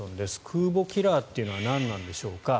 空母キラーというのは何なんでしょうか。